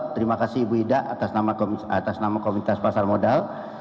terima kasih ibu ida atas nama komunitas pasar modal